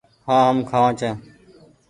هآن هم کآوآن ڇآن ۔